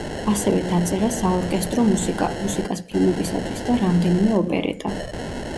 ასევე დაწერა საორკესტრო მუსიკა, მუსიკას ფილმებისათვის და რამდენიმე ოპერეტა.